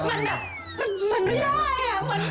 มันมันมันมันไม่ได้